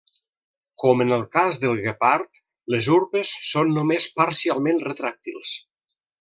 Com en el cas del guepard, les urpes són només parcialment retràctils.